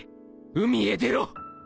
海へ出ろ！